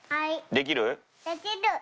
できる。